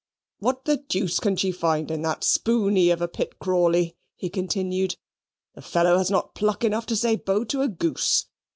"What the deuce can she find in that spooney of a Pitt Crawley?" he continued. "The fellow has not pluck enough to say Bo to a goose.